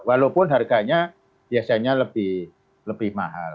walaupun harganya biasanya lebih mahal